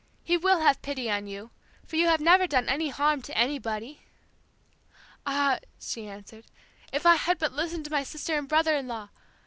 He will have pity on you, for you have never done any harm to anybody.' "'Ah.' she answered, if I had but listened to my sister and brother in law!